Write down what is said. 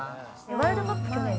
ワールドカップ去年ですか？